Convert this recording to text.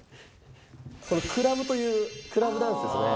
このクラブというクラブダンスですね。